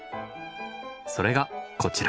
それがこちら。